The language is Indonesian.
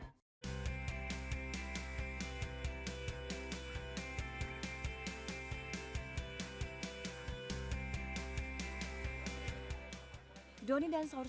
doni dan sauer selle pun berbenah diri